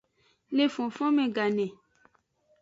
Le fonfonme gane.